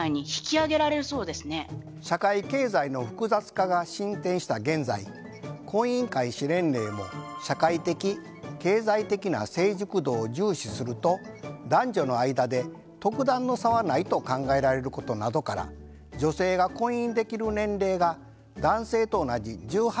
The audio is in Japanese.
社会経済の複雑化が進展した現在婚姻開始年齢も社会的経済的な成熟度を重視すると男女の間で特段の差はないと考えられることなどから女性が婚姻できる年齢が男性と同じ１８歳と引き上げられます。